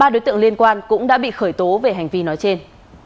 ba đối tượng liên quan cũng đã bị khởi tố về hành vi nói trên